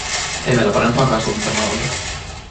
Ei meillä parempaakaan suunnitelmaa ollut.